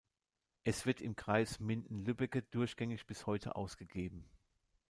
Es wird im Kreis Minden-Lübbecke durchgängig bis heute ausgegeben.